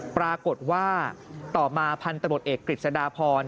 ปรากฏว่าต่อมาพันธุ์ตะโดดเอกกริจสัดาพร